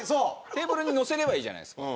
テーブルにのせればいいじゃないですか。